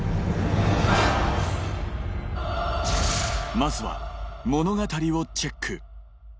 まずは物語をチェック